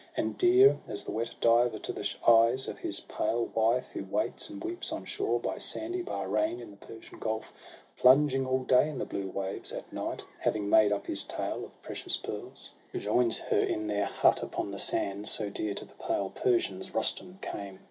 And dear as the wet diver to the eyes Of his pale wife who waits and weeps on shore, By sandy Bahrein, in the Persian Gulf, Plunging all day in the blue waves, at night, Having made up his tale of precious pearls, Rejoins her in their hut upon the sands — So dear to the pale Persians Rustum came.